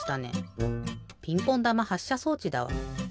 ピンポンだまはっしゃ装置だわ。